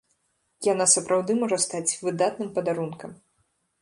Яна сапраўды можа стаць выдатным падарункам.